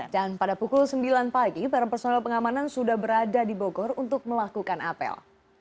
dan pada pukul sembilan pagi para personel pengamanan sudah berada di bogor untuk melakukan apel